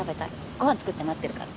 ご飯作って待ってるから。